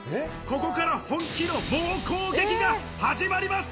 ここから本気の猛攻撃が始まります。